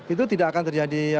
itu tidak akan terjadi